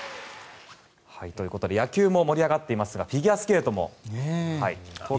野球も盛り上がっていますがフィギュアスケートも。